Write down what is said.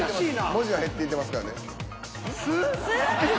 文字は減っていってますからね。